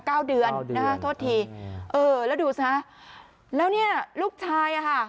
เก้าเดือนนะฮะโทษทีเออแล้วดูสิฮะแล้วเนี่ยลูกชายอ่ะค่ะ